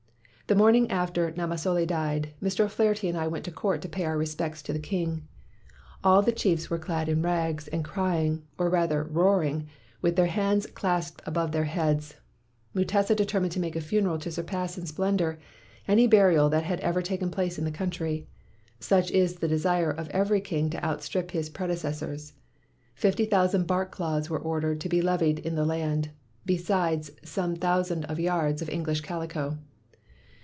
"The morning after Namasole died, Mr. O 'Flaherty and I went to court to pay our respects to the king. All the chiefs were 180 MACKAY'S NEW NAME clad in rags, and crying, or rather roaring, with their hands clasped above their heads. Mutesa determined to make a funeral to surpass in splendor any burial that had ever taken place in the country. Such is the de sire of every king to outstrip his predeces sors. Fifty thousand bark cloths were or dered to be levied in the land, besides some thousand of yards of English calico.